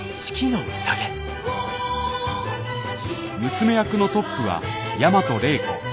娘役のトップは大和礼子。